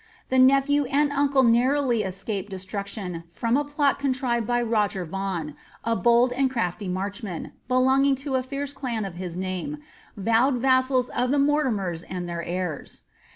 The nephew and uncle narrowly escaped destruction from a plot contrived by Roger Vaughan, a bold and crafty march man, belong ing to a fierce clan of his name, vowed vassals of the Mortimers and their heirs.